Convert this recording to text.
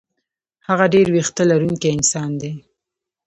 هغه ډېر وېښته لرونکی انسان دی.